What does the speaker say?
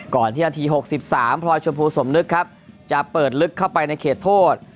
ก่อนที่นาที๖๓พลอยชมพูสมนึกครับจะเปิดลึกเข้าไปในเขตโทษ